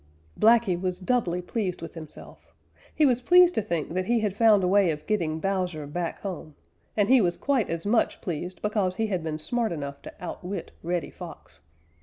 Blacky was doubly pleased with himself. He was pleased to think that he had found a way of getting Bowser back home, and he was quite as much pleased because he had been smart enough to outwit Reddy Fox.